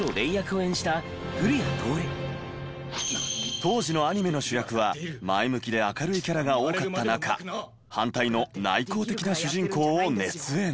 当時のアニメの主役は前向きで明るいキャラが多かった中反対の内向的な主人公を熱演。